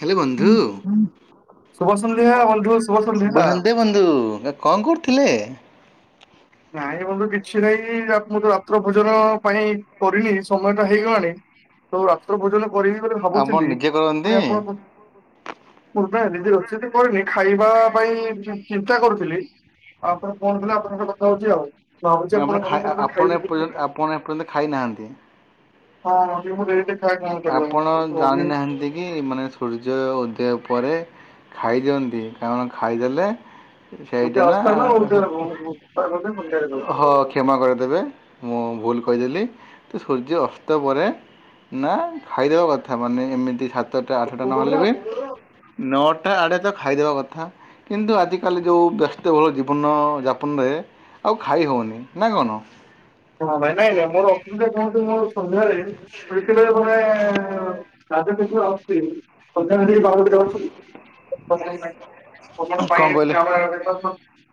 ହେଲେ ବନ୍ଧୁ ଶୁବ ସନ୍ଧ୍ୟା ବନ୍ଧୁ, ଶୁବ ସନ୍ଧ୍ୟା। କ'ଣ କ---ଥିଲେ? ନାଇଁ ବନ୍ଧୁ କିଛି ନା, ମୁଁ ତ ରାତ୍ର ଭୋଜନ ପାଇଁ କରିନି ସମୟ ଟା ହେଇଗଲାଣି। ରାତ୍ର ଭୋଜନ କରିବି ବୋଲି ଆପଣ ଭାବୁଥିଲି। ନିଜେ କରନ୍ତି ପୁଣି ଆପଣ ରୋଷେଇ ତ କରିନି, ଖାଇବା ପାଇଁ ଚିନ୍ତା କରୁଥିଲି। ଆପଣ [inaudible] ଖାଇ ଆ- ଆପଣ ଏପର୍ଯ୍ୟନ୍ତ ଆପଣ ଏପର୍ଯ୍ୟନ୍ତ ଖାଇନାହାନ୍ତି। [inaudible] ହଁ ଟିକେ ମୁଁ ଡେରିରେ ଖାଏ କଣ କରିବା ମୁଁ ଆପଣ ତ- ତ- ଏବେ- ଜାଣିନାହାନ୍ତି କି? ମାନେ ସୂର୍ଯ୍ୟ ଉଦେୟ ପରେ ଖାଇଦିଅନ୍ତି, କାରଣ ଖାଇଦେଲେ [inaudible] ଏବେ ଆସ୍ଥା ନା, ଆଉ ଟିକେ- ଆଉ- ଆଉ- ଆଉ- ସନ୍ଧ୍ୟାରେ କ୍ଷମା କରିଦେବେ, ମୁଁ ଭୁଲୁ କହିଦେଲି। ତ ସୂର୍ଯ୍ୟ ଅସ୍ତ ପରେ ନା ଖାଇଦେବା କଥା, ମାନେ ଏମିତି ସାତଟା ଆଠଟା ନହେଲେ ବି ଖାଉଛି। ନଅଟା ଆଡ଼େ ତ ଖାଇଦେବା କଥା। କିନ୍ତୁ ଆଜିକାଲି ଯେଉଁ ବ୍ୟସ୍ତବହୁଳ ଜୀବନ ଯାପନରେ ଆଉ ଖାଇ ହଉନି ନା କଣ। ହଁ ଭାଇ ନାଇ ନାଇ ମୋର ଅସୁବିଧା କେଉଁଠି ମୋ ସନ୍ଧ୍ୟାରେ ମିିବ ଜଣେ [unintelligible] ଅଛି ସନ୍ଧ୍ୟା ବେଳେ ଟିକେ କ'ଣ କହିଲେ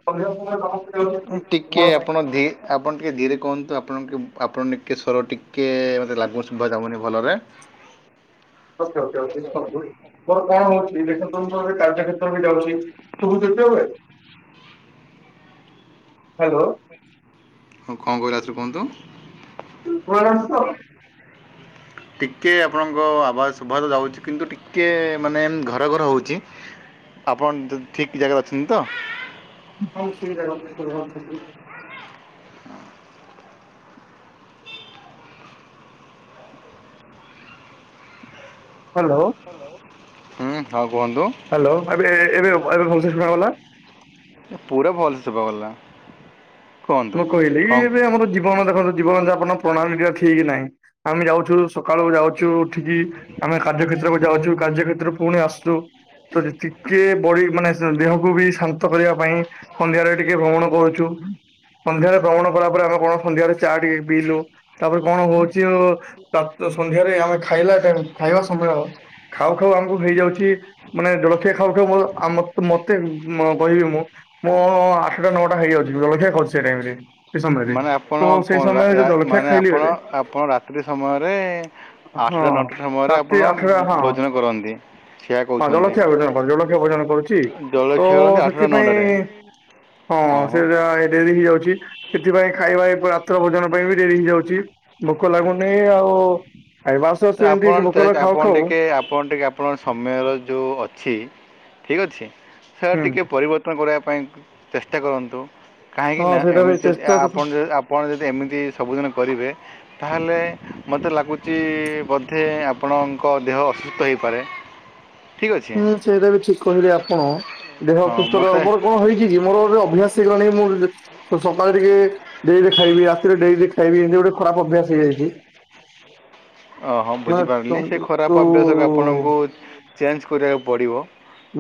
ବାହାରେ [unintelligible] [unintelligible] ଟିକେ ଆପଣ ବି ଆପଣ ଟିକିଏ ଧିରେ କୁହନ୍ତୁ ଆପଣ ଟିକେ ଆପଣ ଟିକେ ସ୍ୱର ଟିକେ ମୋତେ ଲାଗୁନି ଶୁଭା ଯାଉନି ଭଲରେ। [unintelligible] ମୋର କଣ ହଉଛି [unintelligible] କାର୍ଯ୍ୟ କ୍ଷେତ୍ରବି ଯାଉଛି ସବୁ ଯେତେ ହୁଏ [inaudible] ହ୍ୟାଲୋ ହଁ କଣ କହିଲେ ଆଉ ଥରେ କୁହନ୍ତୁ? [unintelligible] [inaudible] ଟିକଏ ଆପଣଙ୍କ ଆବାଜ ଶୁଭା ତ ଯାଉଛି କିନ୍ତୁ ଟିକିଏ ମାନେ ଘର ଘର ହୋଉଛି। ଆପଣ ଠିକ ଜାଗାରେ ଅଛନ୍ତି ତ। ହଉ ସେଇଟା [unintelligible] ହ୍ୟାଲୋ ହୁଁ ଆଉ କୁହନ୍ତୁ। ହ୍ୟାଲୋ ଏବେ ଏବେ ଏବେ ଭଲସେ ଶୁଣାଗଲା। ପୁରା ଭଲସେ ଶୁଭା ଗଲା। ମୁଁ କହିଲି କି ଏବେ ଆମର ଜୀବନ ଦେଖୁ ଜୀବନଯାପନ ପ୍ରଣାଳୀ ଠିକ୍ ନାହିଁ ଆମେ ଯାଉଛୁ ସକାଳୁ ଯାଉଛୁ ଉଠିକି ଆମେ କାର୍ଯ୍ୟ କ୍ଷେତ୍ରକୁ ଯାଉଛୁ କାର୍ଯ୍ୟ କ୍ଷେତ୍ର ପୁଣି ଆସୁଛୁ ତ ଟିକେ ବଡି ମାନେ ଦେହକୁ ବି ଶାନ୍ତ କରିବା ପାଇଁ ସନ୍ଧ୍ୟାରେ ଟିକେ ଭ୍ରମଣ କରୁଛୁ। ସନ୍ଧ୍ୟାରେ ଭ୍ରମଣ କଲା ପରେ ଆମେ କଣ ସନ୍ଧ୍ୟାରେ ଚା ଟିକେ ପିଇଲୁ। ତାପରେ କଣ ହଉଛି ସନ୍ଧ୍ୟାରେ ଆମେ ଖାଇଲା ଖାଇବା ସମୟ ଖାଉ ଖାଉ ଆମକୁ ହେଇଯାଉଛି ମାନେ ଜଳଖିଆ ଖାଉ [unintelligible] ମୋତେ। [unintelligible] ମୁଁ ଆଠଟା ନଅଟା ହେଇଯାଉଛି, ଜଳଖିଆ କରୁଛି ଟାଇମ୍ ରେ। ମାନେ ଆପଣ [unintelligible] ମାନେ ଖାଇଲି ଆପଣ ବେଳେ ଆପଣ ରାତ୍ରି ସମୟରେ ହଁ, ଆଠଟା ନଅଟା ସମୟରେ ଆପଣ ରାତି ଆଠଟା, ହଁ। ଭୋଜନ କରନ୍ତି ସେୟା [unintelligible] କହୁଛନ୍ତି କରୁଛି ତ ଜଳଖିଆ କରନ୍ତି ଆଠଟା ନଅଟାରେ ସେଥିପାଇଁ ହଁ ସେଟା ଡେରି ହେଇଯାଉଛି, ସେଥିପାଇଁ ଖାଇବା [unintelligible] ରାତ୍ର ଭୋଜନ ପାଇଁ ବି ଡେରି ହେଇଯାଉଛି। ଭୋକ ଲାଗୁନି, ଆଉ ଖାଇବା ଆସୁ ଆସୁ ଏମତି ଭୋକରେ ଖାଉ ଖାଉ ଏ ଆପଣ ଟିକେ ଆପଣ ସମୟ ର ଯଉ ଅଛି ଠିକ ଅଛି, ହେରା ଟିକେ ପରିବ ତୁମେ କରିବା ପାଇଁ ଚେଷ୍ଟା କରନ୍ତୁ, କାହିଁକି ହଁ ନା ସେଇଟା ବି ଏମିତି ଯଦି ଚେଷ୍ଟା ତ ଆପଣ ଯଦି ଆପଣ ଯଦି ଏମିତି ସବୁଦିନ କରିବେ ତାହେଲେ ମୋତେ ଲାଗୁଛି ବୋଧେ ଆପଣଙ୍କ ଦେହ ଅସୁସ୍ଥ ହୋଇପାରେ। [inaudible] ହୁଁ ସେଇଟା ବି ଠିକ କହିଲେ ଆପଣ, ଦେହ ହଁ ସୁସ୍ଥ ମୋତେ ରହିବ। ଅ, କଣ ହେଇଛି କି ମୋର ଅଭ୍ୟାସ ହେଇଗଲାଣି, ମୁଁ ସକାଳେ ଟିକେ ଡେ଼ରିରେ ଖାଇବି, ରାତିରେ ଡେ଼ରି ଖାଇବି, ଏମିତି ଗୋଟେ ଖରାପ ଅଭ୍ୟାସ ହେଇଯାଇଛି। ଓ ହଁ ନା ତ ବୁଝିପାରିଲି ସେ ଖରାପ ଅଭ୍ୟାସକୁ ତୁ ଆପଣଙ୍କୁ ଚେଞ୍ଜ କରିବାକୁ ପଡି଼ବ।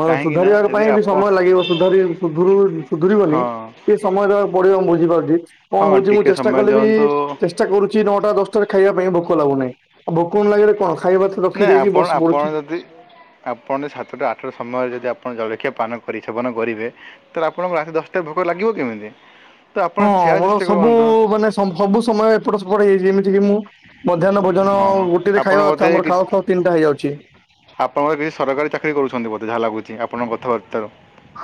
ହଁ ସୁଧାରିବାର ପାଇଁ ବି ସମୟ ଲାଗିବ, ସୁଧାରି ସୁଧୁରୁ ସୁଧୁରିବନି ହଁ କିିଛି ସମୟ ଦବାକୁ ପଡି଼ବ, ମୁଁ ବୁଝିପାରୁଛି ହଁ କଣ ହଉଛି, ମୁଁ ଟିକେ ଚେଷ୍ଟା ସମୟ କଲେ ବି ଦିଅନ୍ତୁ ଟେସ୍ ଷ୍ଟା କରୁଛି ନଅଟା ଦଶଟା ରେ ଖାଇବା ପାଇଁ ଭୋକ ଲାଗୁନି, ଆଉ ଭୋକ ନ ଲାଗିଲେ କଣ ଖାଇବା ବାଥୁ ନାଇଁ ରଖିଦେଇକି ଆପଣ ବସି ଆପଣ ପଢୁଛି ଯଦି ଆପଣ ସାତଟା ଆଠଟା ସମୟରେ ଯଦି ଆପଣ ଜଳଖିଆ ପାନ କରି ଛେବନ କରିବେ ତାର ଆପଣଙ୍କୁ ରାତି ଦଶଟାରେ ଭୋକ ଲାଗିବ କେମିତି? ତ ଆପଣ ହଁ ସେୟା ମୋର ଚେଷ୍ଟା ସବୁ, କରନ୍ତୁ ମାନେ ସଁ ସବୁ ସମୟ ଏପଟ ସେପଟ ହେଇଛି, ଯେମିତି କି ମୁଁ ମଧ୍ୟାହ୍ନ ଭୋଜନ ହଁ ଗୋଟେରେ ଆପଣ ଖାଇବା କଥା ଆମର ଖାଉ ଖାଉ ଖାଉ ତିନିଟା ହେଇଯାଉଛି। ଆପଣଙ୍କର କିଛି ସରକାରୀ ଚାକିରି କରୁଛନ୍ତି ବୋଧେ ଯାହା ଲାଗୁଛି ଆପଣଙ୍କ କଥାବାର୍ତ୍ତାରୁ।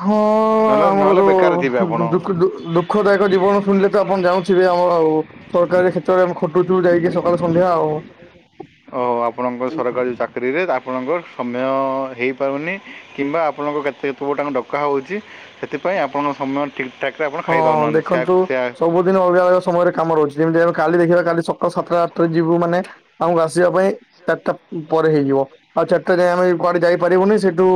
ହଁ, ନହେଲେ ଆମର ନହେଲେ ତ ବେକାର ଥିବେ ଡୁ, ଆପଣ ଦଖୁ ଦୁଖଦାୟକ ଜୀବନ ଶୁଣିଲେ ତ ଆପଣ ଜାୁଥିବେ ଆମର ଆଉ ସରକାରୀ କ୍ଷେତ୍ରରେ ଆମେ ଖଟୁଛୁ ଯାଇକି ସକାଳେ ସନ୍ଧ୍ୟା ଆଉ ଓହୋ, ଆପଣଙ୍କ ସରକାରୀ ଚାକିରିରେ ଆପଣଙ୍କର ସମୟ ହେଇପାରୁନି। କିମ୍ବା ଆପଣଙ୍କ କେତେ ପୂର୍ବ ତାଙ୍କୁ ଡକା ହେଉଛି, ସେଥିପାଇଁ ଆପଣଙ୍କ ସମୟ ଠିକ୍ ଠାକ୍ ରେ ଆପଣ ଖାଇପାରୁନାହାନ୍ତି। ସ୍ୟାଟ ତା ଦୀନ ଅଲଗା ଅଲଗା ସମୟରେ କାମ ରହୁଛି, ଯେମିତି ଆମେ କାଲି ଦେଖିବା କାଲି ସକାଳ ସାତଟା ଆଟାରେ ଯିବୁ ମାନେ ଆମକୁ ଆସିବା ପାଇଁ ଚାରିଟା ପରେ ହେଇଯିବ, ଆଉ ଚାରିଟା ଯାଏ ଆମେ କୁଆଡେ ଯାଇପାରିବୁନି, ସେଠୁ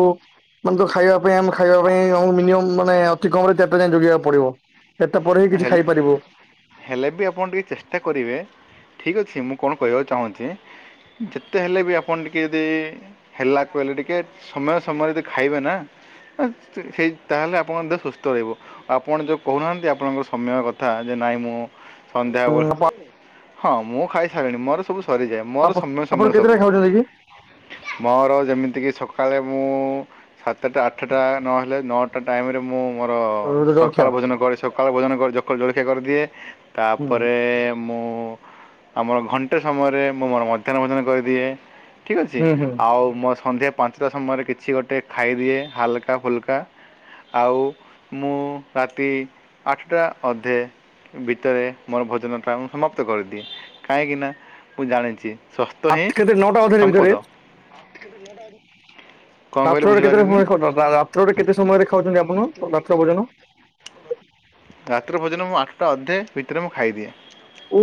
ମାନେ ତ ଖାଇବା ପାଇଁ, ଆମେ ଖାଇବା ପାଇଁ, ଆମକୁ ମିନିମମ୍ ମାନେ ଅତି କମରେ ଚାରିଟା ଯୋଗିବା ପଡି଼ବ, ଚାରିଟା ପରେ ହିଁ କିଛି ହେଲେ ଖାଇପାରିବ। ହେଲେ ବି ଆପଣ ଟିକେ ଚେଷ୍ଟା କରିବେ, ଠିକ୍ ଅଛି। ମୁଁ କଣ କହିବାକୁ ଚାହୁଁଛି ଯେତେ ହେଲେ ବି ଆପଣ ଟିକେ ଯଦି ହେଲା କହିଲେ ଟିକେ ସମୟ ସମୟରେ ଯଦି ଖାଇବେ ନା ସେଇ ତାହେଲେ ଆପଣଙ୍କ ଦେହ ସୁସ୍ଥ ରହିବ, ଆପଣ ଯଉ କହୁନାହାନ୍ତି ଆପଣଙ୍କ ସମୟ କଥା, ଯେ ନାଇଁ ମୁଁ ସନ୍ଧ୍ୟାବେଳେ ହଁ, ମୁଁ ଖାଇ ସାରିଲିଣି, ମୋର ସବୁ ସରିଯାଏ, ମୋର ସମୟ ଆପଣ ସମୟ କେତେଟା ସବୁ ଖାଉଛନ୍ତି କି ମୋର ଯେମିତିକି ସକାଳେ ମୁଁ ସାତଟା, ଆଠଟା ନହେଲେ ନଅ ଆ ଟାଇମ୍ରେ ମୁଁ ମୋର ସକାଳ ଜଳଖିଆ? ଭୋଜନ କରେ ସକାଳୁ ଭୋଜନ କରି ଜଖ- ଜଳଖିଆ କରିଦିଏ, ହୁଁ ତାପରେ ମୁଁ ଆମର ଘଣ୍ଟେ ସମୟରେ ମୁଁ ମୋର ମଧ୍ୟାହ୍ନ ଭୋଜନ କରିଦିଏ ଠିକ୍ ଅଛି ହୁଁ ହୁଁ ଆଉ ମୋ ସନ୍ଧ୍ୟା ପାଞ୍ଚଟା ସମୟରେ କିଛି ଗୋଟେ ଖାଇଦିଏ ହାଲକା ଫୁଲକା ଆଉ ମୁଁ ରାତି ଆଠଟା ଅଧେ ଭିତରେ ମୋର ଭୋଜନଟା ମୁଁ ସମାପ୍ତ କରିଦିଏ କାହିଁକିନା ମୁଁ ଜାଣିଛି ସ୍ୱସ୍ଥ୍ୟ ହିଁ କେତେ ନଅଟା ଅଧରେ ଭିତରେ ସମ୍ପଦ। କ'ଣ କହିଲେ ରାତ୍ରରେ କେତେ ବୁଝିପାରିଲେନି ସମୟ ରେ ରାତ୍ରରେ କେତେ ସମୟରେ ଖାଉଛନ୍ତି ଆପଣ ରାତ୍ର ଭୋଜନ? ରାତ୍ର ଭୋଜନ ମୁଁ ଆଠଟା ଅର୍ଧେ ଭିତରେ ମୁଁ ଖାଇଦିଏ।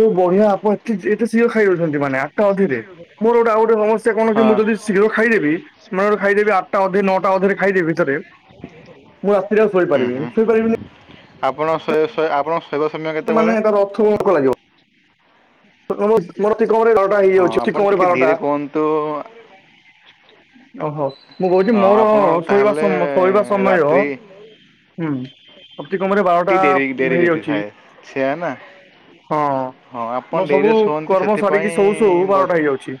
ଓ ବଢିଆ ଆପଣ ଏଠ ଏତେ ସିଏ ଖାଇ ରଉଛନ୍ତି ମାନେ ଆଠଟା ଅଧରେ ମୋର ଗୋଟେ ଆଉ ଗୋଟେ ସମସ୍ୟା କଣ କି ହଁ ମୁଁ ଯଦି ଶୀଘ୍ର ଖାଇଦେବି ମ ଖାଇଦେବି ଆଠଟା ଅଧ ନଅଟା ଅଧ ଖାଇଦବି ଭିତରେ ମୁଁ ରାତିରେ ଆଉ ହୁଁ ଶୋଇପାରିବିନି ହୁଁ ଶୋଇପାରିବିନି ଆପଣ ସୋୟା-ଆପଣ ସୋଇବା ସମୟ କେ ମାନେ ଏ ତାର ଅଥ ଭୋକ ଲାଗିବ। ମୋର ଅ-ଅତିିକମରେ ନଅଟା ହଁ ହେଇଯାଉଛି, ଅତି ଆପଣ କମ୍ ରେ ଟିକେ ବାରଟା ଧୀରେ କୁହନ୍ତୁ ଓହୋ। ମୁଁ କହୁଛି ମୋର ଆପଣ ଶୋଇବା ତାହେଲେ ସମୟ ଶୋଇବା ସମୟ ରାତ୍ରି ହୁଁ ଅପ୍ତିକମରେ ବାରଟା ହେଇ ଅଛି ସେଇୟା ନା। ହଁ ଆପଣ ମୋ ସବୁ ଡେରିରେ ଶୁଅନ୍ତି କର୍ମ ସାରିକି ସେଥିପାଇଁ ଶୋଉ ଶୋଉ ବାରଟା ହେଇଯାଉଛି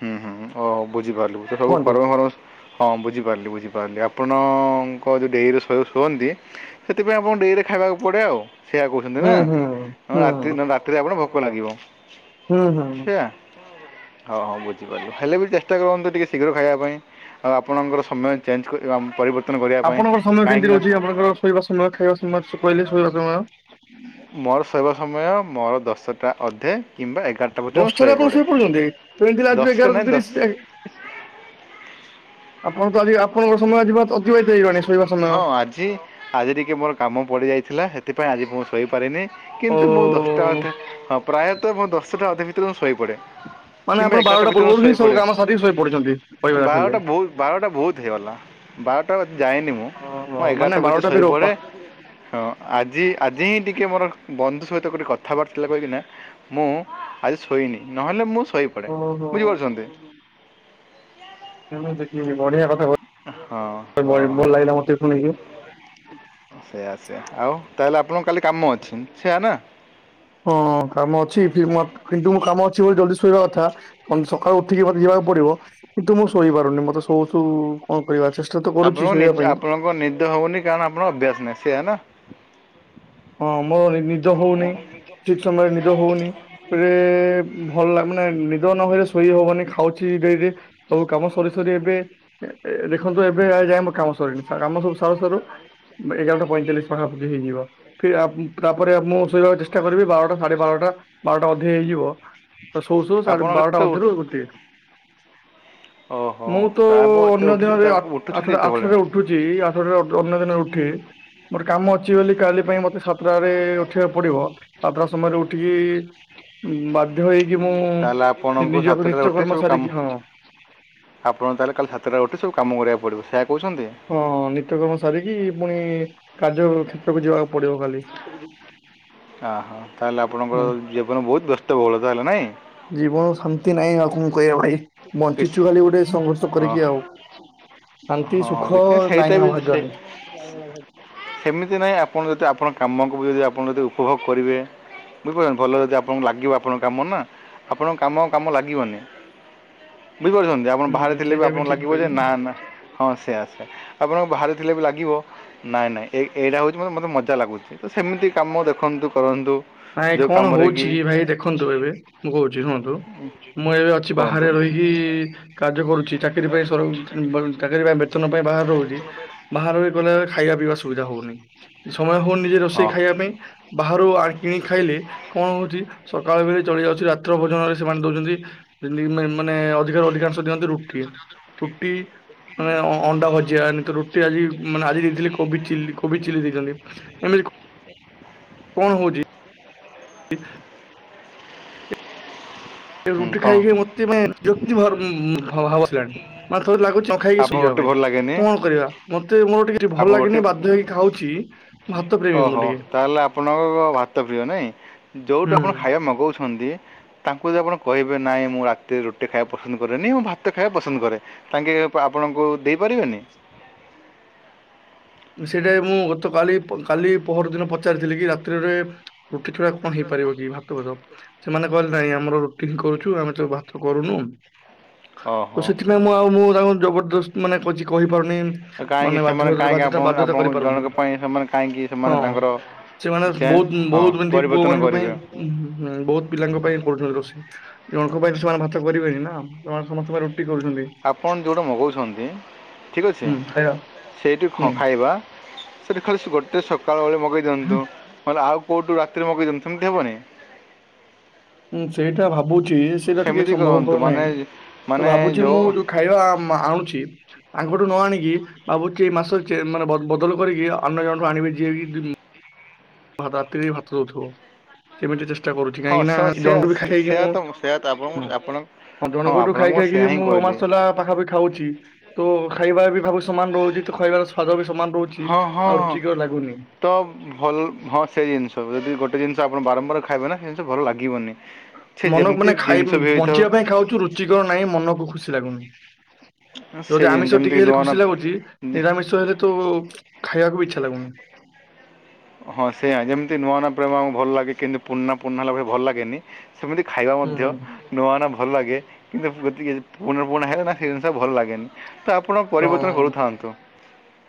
ହୁଁ, ହୁଁ, ଓ ବୁଝିପାରିଲୁ ତ ସବୁ କୁହନ୍ତୁ କରମ୍ ହଁ ବୁଝିପାରିଲି ବୁଝିପାରିଲି, ଆପଣଙ୍କ ଯୋଉ ଡେଇର ଶୁଅନ୍ତି ସେଥିପାଇଁ ଆପଣଙ୍କୁ ଡେରିରେ ଖାଇବାକୁ ପଡେ ଆଉ। ସେଇଆ କହୁଛନ୍ତି ନା, ହୁଁ ହୁଁ ନହେଲେ ହୁଁ। ରାତି-ରାତିରେ ଆପଣ ଭୋକ ଲାଗିବ। ହୁଁ ହୁଁଁ। ସେଇଆ ହଁ ହଉ ବୁଝିପାରିଲ ହେଲେ ବି ଚେଷ୍ଟା କରନ୍ତୁ ଟିକେ ଶୀଘ୍ର ଖାଇବା ପାଇଁ ଆଉ ଆପଣଙ୍କର ସମୟ ଚେଞ୍ଜ କରି- ପରିବର୍ତ୍ତନ କରିବା ପାଇଁ ଆପଣଙ୍କର ସମୟ କେମିତି କାହିଁକିନା ରହୁଛି ଆପଣଙ୍କର ଶୋଇବା ସମୟ ଖାଇବା ସମୟ କହିଲେ ଶୋଇବା ସମୟ? ମୋର ଶୋଇବା ସମୟ ମୋର ଦଶଟା ଅଧେ କିମ୍ବା ଏଗାରଟା। ଭିତରେ ମୁଁ ଦଶଟାରେ ଆପଣ ଶୋଇପଡ଼େ ଶୋଇପଡୁଛନ୍ତି ଦଶଟା ନାହିଁ ଦଶ [unintelligible] ଆପଣ ତ ଆଜି ଆପଣଙ୍କର ସମୟ ଆଜିିବା ଅତିବାହିତ ହେଇଗଲାଣି ଶୋଇବା ସମୟ। ହଁ ଆଜି ଆଜି ଟିକେ ମୋର କାମ ପଡ଼ିଯାଇଥିଲା ସେଥିପାଇଁ ଆଜି ମୁଁ ଶୋଇପାରିନି ଓ କିନ୍ତୁ ମୁଁ ଦଶ ଅେ ହଁ ପ୍ରାୟତଃ ମୁଁ ଦଶଟା ଅଧେ ଭିତରେ ମୁ ଶୋଇପଡ଼େ। ମାନେ କିମ୍ବା ଆପଣ ଏଗାରଟା ବାରଟା ଭିତରେ ମୁଁ ପୂର୍ବରୁ ହିଁ ଶୋଇ ସବୁ ପଡେ କାମ ସାରିକି ଶୋଇ ପଡୁଛନ୍ତି କହିବାକୁ ଗଲେ ବାରଟା ବହୁତ ବାରଟା ବହୁତ ହେଇଗଲା। ବାରଟା ଯାଏନି ମୁଁ ଓହୋ ମୁଁ ମାନେ ଏଗାରଟା ଭିତରେ ବାରଟା ବି ରୋପା ଶୋଇପଡ଼େ। ହଁ ଆଜି ଆଜି ହିଁ ଟିକେ ମୋର ବନ୍ଧୁ ସହିତ ଗୋଟେ କଥାବାର୍ ଥିଲା କହେକି ନା ମୁଁ ଆଜି ଶୋଇନି ନହେଲେ ମୁଁ ଶୋଇପଡ଼େ ଓହୋ ବୁଝିପାରୁଛନ୍ତି। [unintelligible] ବଢ଼ିଆ କଥା କ ହଁ ହଁ ହଁ ଶୁଣିକି ସେଇଆ ସେଆ ଆଉ ତାହେଲେ ଆପଣଙ୍କ କାଲି କାମ ଅଛି ସେଆ ନା? ହଁ କାମ ଅଛି କିନ୍ତୁ ମୁଁ କାମ ଅଛି ବୋଲି ଜଲଦି ଶୋଇବା କଥା। ସକାଳୁ ଉଠିକି ମତେ ଯିବାକୁ ପଡିବ କିନ୍ତୁ ମୁଁ ଶୋଇପାରୁନି ମତେ ଶୋଉ ଶୋଉ କଣ କରିବା ଚେଷ୍ଟା ତ କରୁଛି ଶୋଇବା ପାଇଁ। ଆଣ ନିଦ ହଉନି କାରଣ ଆପଣ ଅଭ୍ୟାସ ନାହିଁ ସେଆ ନା। ହଁ ମୋର ନିଦ ହଉନି ଠିକ ସମୟରେ ନିଦ ହଉନି। ଭଲ ମାନେ ନିଦ ନହଲେ ଶୋଇ ହବନି ଖାଉଛି ଡେରିରେ। ସବୁ କାମ ସରି ସରି ଏବେ ଦେଖନ୍ତୁ ଏବେ ଯାଏ ମୋ କାମ ସରିନି କାମ ସବୁ ସରୁ ସରୁ ଏଗାରଟା ପଇଁଚାଳିଶ ପାଖାପାଖି ହେଇଯିବ। ତାପରେ ମୁଁ ଶୋଇବାକୁ ଚେଷ୍ଟା କରିବି ବାରଟା ସାଢେ ବାରଟା ବାରଟା ଅଧେ ହେଇଯିବ। ତ ଶୋଉ ଶୋଉ ସାଢେ ଆପଣ ବାରଟା କେତେ ମଧ୍ୟରୁ ଗୋଟିଏ। ଓହୋ ମୁଁ ତୋ ତା ଏତେ ଅନ୍ୟ ଉଠୁ ଦିନରେ ତା ଆଠ ଉଠୁଛନ୍ତି ଏତେବେଳେ ଆଠଟାରେ ଉ ଉଠୁଛି ଆଠଟାରେ ଅନ୍ୟ ଦିନ ଉଠେ ମୋର କାମ ଅଛି ବୋଲି କାଲି ପାଇଁ ମ ସାତଟାରେ ଉଠିବାକୁ ପଡିବ ସାତଟା ସମୟରେ ଉଠିକି ବା ଧ୍ୟ ହେଇକି ମୁଁ ତାହେଲେ ଆପଣଙ୍କୁ ନିଜ ସାତଟାରେ ଉଠି ନିତ୍ୟକର୍ମ ସବୁ ସାରିକି କାମ୍ ହଁ ଆପଣ ତାହେଲେ କାଲି ସାତଟା ଉଠି ସବୁ କାମ କରିବାକୁ ପଡ଼ିବ ସେୟା କହୁଚନ୍ତି। ହଁ ନିତ୍ୟକର୍ମ ସାରିକି ପୁଣି କାର୍ଯ୍ୟ କ୍ଷେତ୍ରକୁ ଯିବାକୁ ପଡିବ ଖାଲି ଅହୋ ତାହେଲେ ଆପଣଙ୍କ ହୁଁ ଜୀବନ ବହୁତ ବ୍ୟସ୍ତ ବହୁଳ ତାହେଲେ ନାଇଁ? ଜୀବନ ଶାନ୍ତି ନାହିଁ ଆଉ‌ କଣ କରିବା ଭାଇ କିଛି ବଞ୍ଚିଚୁ ଖାଲି ଗୋଟେ ସଂଘର୍ଷ ହଁ କରିକି ଆଉ। ଶାନ୍ତି ହଁ ସୁଖ କିଛି ସେଇଟା ନାହିଁ ବି ଆମ ସେ ଭାଗ୍ୟରେ। ସେମିତି ନାହିଁ ଆପଣ ଯଦି ଆପଣ କାମକୁ ବି ଯଦି ଆପଣ ଯଦି ଉପଭୋଗ କରିବେ ବୁଝିପାରୁଚ ଭଲ ଯଦି ଆପଣଙ୍କୁ ଲାଗିବ ଆପଣଙ୍କ କାମ ନା ଆପଣଙ୍କ କାମ କାମ ଲାଗିବନି। ବୁଝିପାରୁଚନ୍ତି ଆପଣ ହୁଁ ବାହାରେ ଥିଲେ ବି ସେଇଟା ଆପଣଙ୍କୁ ଠିକ ଲାଗିବ ଯେ ନା କହିଲେ। ନା ହଁ ସେୟା ସା ଆପଣଙ୍କୁ ବାହାରେ‌ ଥିଲେ ବି ଲାଗିବ ନାଇଁ ନାଇଁ ଏ ଏଇଟା ହଉଚି ମତେ ମତେ ମଜା ଲାଗୁଚି ତ ସେମିତି କାମ ଦେଖନ୍ତୁ କରନ୍ତୁ ନାଇଁ ଯେଉଁ କଣ କାମରେ ହଉଚି କି ଭାଇ ଦେଖନ୍ତୁ ଏବେ ମୁଁ କହୁଚି ଶୁଣନ୍ତୁ। ମୁଁ ଏବେ ଅଛି କୁହନ୍ତୁ ବାହାରେ ରହିକି କାର୍ଯ୍ୟ କରୁଚି ଚାକିରି ପାଇଁ ସବୁ ଚାକିରି ବେତନ ପାଇଁ ବାହାରେ ରହୁଚି ବାହରେ ରହି ଗଲେ ଖାଇବା ପି ବା ସ ସୁବିଧା ହଉନି ସମୟ ହଉନି ନିଜେ ରୋଷେଇ ହଁ ଖାଇବା ପାଇଁ। ବାହାରୁ ଆ କିଣିକି ଖାଇଲେ କଣ ହଉଛି ସକାଳ ବଳେ ଚଳି ଯାଉଛି ରା ତ୍ର ଭୋଜନରେ ସେମାନେ ଦଉଛନ୍ତି ମାନେ ଅଧିକ ଅଧି କାଂଶ ଦିଅନ୍ତି ରୁଟି ରୁଟି ମାନେ ଅ ଅଣ୍ଡା ଭଜିଆ ତ ରୁଟି ଆଜି ମାନେ ଆଜି ଦେଇଥିଲେ କୋବିଚିଲ୍ଲି କୋବିଚିଲ୍ଲୀ ଦେଇଛନ୍ତି। ଏମତି କ କଣ ହଉଚି? [unintelligible] ରୁଟି କ'ଣ ଖାଇକି ମତେ [unintelligible] ମତେ ତ ଲାଗୁଚି ନଖାଇକି ଆପଣଙ୍କୁ ଶୋଇଜିବା ରୁଟି ପାଇଁ ଭଲ ଲାଗେନି କଣ କରିବା ମତେ ମୋର ଟିକେ ରୁଟି ଭଲ୍ ଲାଗେନି ବାଧ୍ୟ ହେଇକି ଖାଉଚି। ଓହୋ ତାହେଲେ ଆପଣଙ୍କ ଭାତ ପ୍ରିୟ ନାଇଁ। ଯୋଉଠୁ ଆପଣ ଖାଇବା ହୁଁ। ମଗଉଛନ୍ତି ତାଙ୍କୁ ଯଦି ଆପଣ କହିବେ ନାଇଁ ମୁଁ ରାତିରେ ରୁଟି ଖାଇବା ପସନ୍ଦ କରେନି ମୁଁ ଭାତ ଖାଇବାକୁ ପସନ୍ଦ କରେ। ତାଙ୍କେ ଆପଣଙ୍କୁ ଦେଇପାରିବେନି? ସେଇଟା ମୁଁ ଗତ କାଲି କାଲି ପଅର ଦିନ ପଚାରିଥିଲି କି ରାତ୍ରି ରେ ରୁଟି ଛଡା କଣ ହେଇପାରିବ କି ଭାତ ଫାତ। ସେମାନେ କହିଲେ ନାଇଁ ଆମର ରୁଟି ହିଁ କରୁଚୁ ଆମେ ତ ଭାତ କରୁନୁ ତ ଓହୋ ସେଥିପାଇଁ ମୁଁ ଆଉ ମୁଁ ତାଙ୍କୁ ଜବରଦସ୍ତ ମାନେ କିଛି କହିପାରୁନି। ମାନେ କାହିଁକି ସେମାନେ ବାଧ୍ୟ କାହିଁକି ଆ ବାଧ୍ୟତା ଆପଣ ବାଧ୍ୟତା ଆପଣଙ୍କ କରିପାରୁନି ଜଣଙ୍କ ପାଇଁ ସେମାନେ କାହିଁକି ସେମାନେ ହଁ। ତାଙ୍କର ସେମାନେ ଚେଞ୍ଜ ବହୁତ ହଁ ବହୁତ ଏମିତି ପୁଅ ପରିବର୍ତ୍ତନ ମାନଙ୍କ ପାଇଁ କରିବେ। ଉଁ, ହୁଁ ବହୁତ ପିଲାଙ୍କ ପାଇଁ କରୁଚନ୍ତି ରୋଷେଇ। ଜଣଙ୍କ ପାଇଁ ସେମାନେ ଭାତ କରିବେନି ନା। ସେମାନେ ସମସ୍ତଙ୍କ ପାଇଁ ରୁଟି କରୁଚନ୍ତି। ଆପଣ ଯଉଠୁ ମଗଉଛନ୍ତି ଠିକ୍ ଅଛି ହୁଁ ଖାଇବା ସେଇଠି ହୁଁ ଖ ଖାଇବା ସେଇଠୁ ଖାଲି ଗୋଟେ ସକାଳୁ ଓଳି ମଗେଇ ଦିଅନ୍ତୁ ନହେଲେ ଆଉ କଉଠୁ ରାତିରେ ମଗେଇ ଦିଅନ୍ତୁ ସେମିତି ହବନି? ହୁଁ ସେଇଟା ଭାବୁଚି ସେଇଟା ଟିକେ ସେମିତି କରନ୍ତୁ ସମ୍ଭବପର ମାନେ ନାହିଁ। ତ ମାନେ ଭାବୁଛି ଯେଉଁ ମୁଁ ଯୋଉ ଖାଇବା ଆଣୁଚି ତାଙ୍କଠୁ ନ ଆଣିକି ଭାବୁଚି ଏ ମାସ ମାନେ ବଦଲ କରିକି ଅନ୍ୟ ଜଣଠୁ ଆଣିବି ଯିଏକି ରାତିରେ ଭାତ ଦଉଥିବ। ସେମିତି ଚେଷ୍ଟା କରୁଚି। ହଁ କାହିଁକି ନା ସେ ଜଣଠୁ ବି ଖାଇକି ସେୟା ମୁଁ ତ ସେୟା ତ ଆପଣଙ୍କୁ ଆପଣ ହଁ ଜଣଙ୍କ ଠୁ ଆପଣଙ୍କୁ ଖାଇ ଖାଇ କି ସେୟା ହିଁ ମୁଁ କହିଲି ମାସ ହେଲା ପାଖାପାଖି ଖାଉଚି। ତ ଖାଇବା ବି ଭାବ ସମାନ ରହୁଚି ତ ଖାଇବାର ସ୍ଵାଦ ବି ସମାନ ରହୁଚି। ହଁ ହଁ। ତ ଭଲ୍ ହଁ ସେଇ ଜିନିଷ ଯଦି ଗୋଟେ ଜିନିଷ ଆପଣ ବାରମ୍ବାର ଖାଇବେ ନା ସେଇ ଜିନିଷ ଭଲ ଲାଗିବନି। ସେ ମନକୁ ଯେମିତି ମାନେ ଖାଇ ଜିନିଷ ବି ହେଇଥାଉ ବଞ୍ଚିବା ପାଇଁ ଖାଉଚୁ ରୁଚିକର ନାହିଁ ମନକୁ ଖୁସି ଲାଗୁନି। ସେ ଯଦି ଆମିଷ ଯେମିତି ଟିକେ ହେଲେ ନୂଆ ଖୁସି ଲାଗୁଚି। ନୂଆ ନିରାମିଷ ହେଲେ ତ ଖାଇବାକୁ ବି ଇଚ୍ଛା ଲାଗୁନି। ହଁ ସେୟା ଯେମିତି ନୂଆ ନୂଆ ପ୍ରେମ ଆମକୁ ଭଲ ଲାଗେ। କିନ୍ତୁ ପୁରୁଣା ପୁରୁଣା ହେଲା ଭ ଭଲ ଲାଗେନି। ସେମିତି ଖାଇବା ହୁଁ ମଧ୍ୟ ନୂଆ ନୂଆ ଭଲ ଲାଗେ। କିନ୍ତୁ ଟିକେ ପୁରୁଣା ପୁରୁଣା ହେଲେ ନା ସେ ଜିନଷ ଭଲ ଲାଗେନି। ତ ଆପଣ ତ ପରିବର୍ତ୍ତନ କରୁଥାନ୍ତୁ।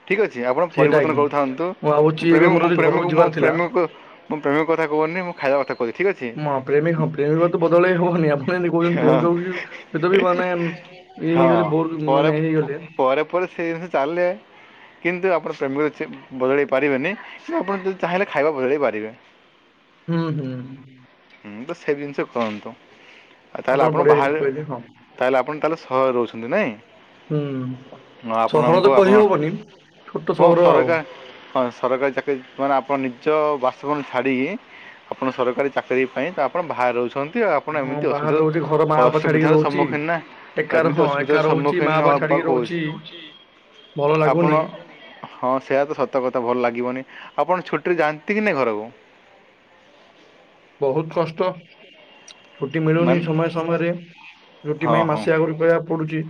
ଠିକ୍ ଅଛି ଆପଣ ସେଇଟା ପରିବର୍ତ୍ତନ କି। କରୁଥାନ୍ତୁ। [unintelligible] ଭାବୁଛି ମୁଁ ଏବେ ପ୍ରେମ କୁ ମୋର ଯଦି ଘରକୁ ଯିବାର ମୁଁ ଥିଲା। ପ୍ରେମ କୁ ମୁଁ ପ୍ରେମ କଥା କହୁନି ମୁଁ ଖାଇବା କଥା କହୁଛିି ଠିକ ଅଛି। ହଁ ପ୍ରେମିକ ପ୍ରେମିକ କୁ ତ ବଦଳେଇ ହବନି ଆପଣ ଯଦି କହୁଛନ୍ତି ହଁ ପ୍ରେମିକକୁ ବି ହେଟା ବି ମାନେ ଏଇ ହଁ ହେଇଗଲେ ବୋର୍ ପରେ ମାନେ ହେଇଗଲେ ପରେ ପରେ ସେ ଜିନିଷ ଚାଲିଲେ କିନ୍ତୁ ଆପଣ ପ୍ରେମିକରୁ ସେ ବଦଳାଇ ପାରିବେନି। ସେ ଆପଣ ଯଦି ଚାହିଁଲେ ଖାଇବା ବଦଳେଇ ପାରିବେ। ହୁଁ ହୁଁ। ମୁଁ ତ ସେଇ ଜିନିଷ କହୁନି ତ ଆଉ ତାହେଲେ ଆପଣ ବଢିଆ ଜିନିଷ ବାହାରେ କହିଲେ ହଁ। ତାହେଲେ ଆପଣ ତାହେଲେ ସହରରେ ରହୁଛନ୍ତି ନାଇଁ? ହୁଁ ହଁ ଆପଣ ସହର ତ ମାନଙ୍କୁ ଆପଣ। କହିହବନି ଛୋଟ ସହର [unintelligible] ଆଉ। ସରକାରୀ ଚାକିରି ମାନେ ଆପଣ ନିଜ ବାସଭବନ ଛାଡ଼ି ଆପଣ ସରକାରୀ ଚାକିରୀ ପାଇଁ ତ ଆପଣ ବାହାରେ ରହୁଛନ୍ତି। ଆପଣ ହଁ ଏମିତି ବାହାରେ ଅସୁବିଧା ରହୁଛି ଘର ମା ର ବାପା ଛାଡିକି ଅସୁବିଧାର ରହୁଛି। ସମ୍ମୁଖୀନ ଏକା ର- ଏମିତି ହଁ ଏକା ଅସୁବିଧା ର ରହୁଛି ମା ସମ୍ମୁଖୀନ ବାପା ଛାଡିକି ହବା କୁ ରହୁଛି ହଉଚି। ଭଲ ଲାଗୁନି। ହଁ ସେଇଆ ତ ସତ କଥା ଭଲ ଲାଗିବନି। ଆପଣ ଛୁଟିରେ ଯାଆନ୍ତି କି ନାଇ ଘରକୁ? ବହୁତ କଷ୍ଟ ଛୁଟି ମିଳୁନି ମାନେ ସମୟ ସମୟରେ। ଛୁଟି ହଁ ପାଇଁ ହଁ ମାସେ ଆଗରୁ କହିବାକୁ ପଡୁଚି।